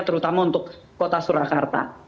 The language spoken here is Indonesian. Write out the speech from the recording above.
terutama untuk kota surakarta